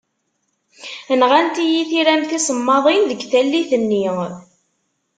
Nɣant-iyi tiram tisemmaḍin deg tallit-nni.